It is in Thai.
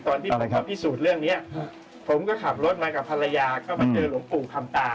ตอนที่ไปพิสูจน์เรื่องนี้ผมก็ขับรถมากับภรรยาก็มาเจอหลวงปู่คำตา